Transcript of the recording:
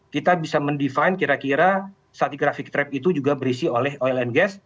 kita bisa mendefine kira kira satu grafik trap itu juga berisi oleh oil and gas